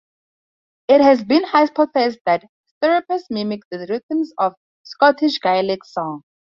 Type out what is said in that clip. It has been hypothesized that strathspeys mimic the rhythms of Scottish Gaelic song.